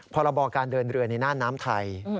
ภรรมาปอล์การเดินเรือนในน่าน้ำไท